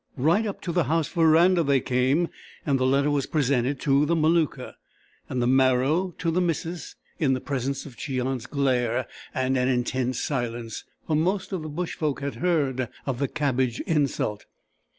Right up to the house verandah they came, and the letter was presented to the Maluka, and the marrow to the missus in the presence of Cheon's glare and an intense silence; for most of the bush folk had heard of the cabbage insult.